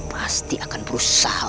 pasti akan berusaha